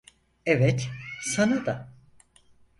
Evet, sana da.